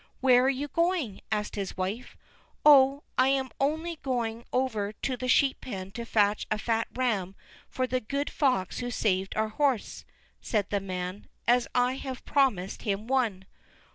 "Where are you going?" asked his wife. "Oh, I am only going over to the sheep pen to fetch a fat ram for that good fox who saved our horse," said the man, "as I have promised him one."